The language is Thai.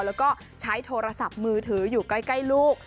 แล้วก็ใช้โทรศัพท์มือถืออยู่ใกล้ลูก